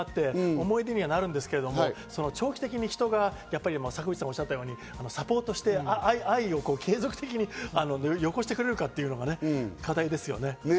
乗ると圧倒的に体感があって、思い出にはなるんですけど、長期的に人が坂口さんおっしゃったように、サポートして愛を継続的に残してくれるかというのが課題ですね。